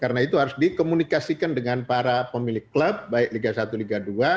karena itu harus dikomunikasikan dengan para pemilik klub baik liga satu dan liga dua